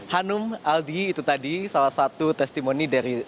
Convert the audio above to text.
hanum aldi itu tadi salah satu testimoni dari